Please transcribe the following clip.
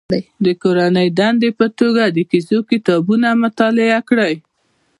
د کورنۍ دندې په توګه د کیسو کتابونه مطالعه کړي.